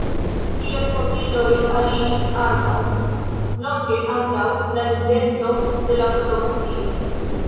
Tiel fotiloj aliris arton longe antaŭ la invento de la fotografio.